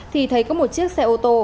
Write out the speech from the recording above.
thì thấy có một chiếc xe ô tô